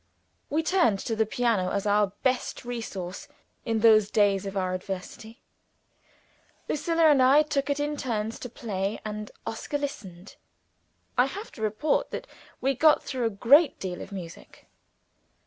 We turned to the piano as our best resource in those days of our adversity. Lucilla and I took it in turns to play, and Oscar listened. I have to report that we got through a great deal of music.